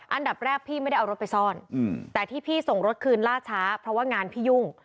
อันดับแรกพี่ไม่ได้เอารถไปซ่อนแต่ที่พี่ส่งรถคืนล่าช้าเพราะว่างานพี่ยุ่ง